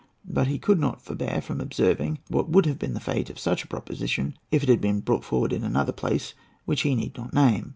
But he could not forbear from observing what would have been the fate of such a proposition, if brought forward in another place, which he need not name.